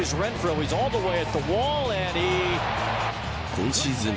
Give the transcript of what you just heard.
今シーズン